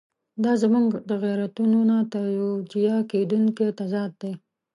دا زموږ د غیرتونو نه توجیه کېدونکی تضاد دی.